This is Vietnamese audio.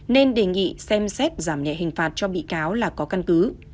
nên đề nghị xem xét giảm nhẹ hình phạt cho bị cáo là có căn cứ